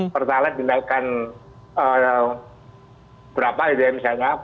pertalite dinaikkan berapa gitu ya misalnya